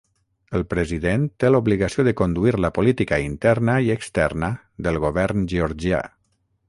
El President té l'obligació de conduir la política interna i externa del govern georgià.